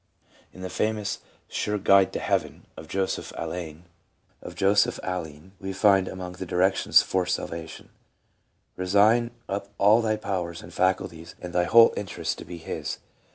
In the famous " Sure Guide to Heaven " of Joseph Alleine, we find among the directions for Salvation: "Resign up all thy powers and faculties and thy whole interest to be His."